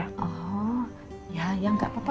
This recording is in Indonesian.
oh ya ya gak apa apa